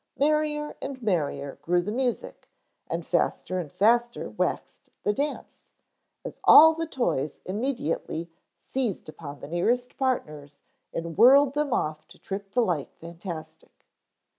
Merrier and merrier grew the music and faster and faster waxed the dance, as all the toys immediately seized upon the nearest partners and whirled them off to trip the light fantastic.